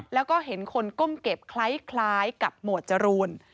แล้วก็เห็นคนก้มเก็บคล้ายกับหมวดจรูน